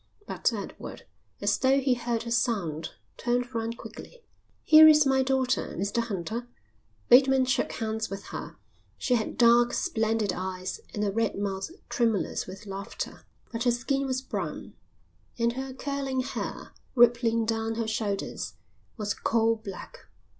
But Edward, as though he heard a sound, turned round quickly. "Here is my daughter, Mr Hunter." Bateman shook hands with her. She had dark, splendid eyes and a red mouth tremulous with laughter; but her skin was brown, and her curling hair, rippling down her shoulders, was coal black.